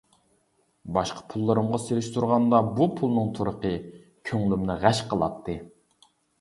باشقا پۇللىرىمغا سېلىشتۇرغاندا بۇ پۇلنىڭ تۇرقى كۆڭلۈمنى غەش قىلاتتى.